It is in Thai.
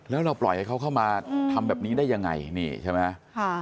แล้วเราปล่อยให้เขาเข้ามาทำแบบนี้ได้ยังไงนี่ใช่ไหม